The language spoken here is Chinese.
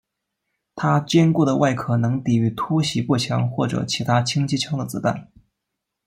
他坚固的外壳能抵御突袭步枪或者其他轻机枪的子弹。